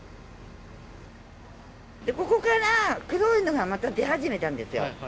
ここから黒いのがまた出始めたんですよ。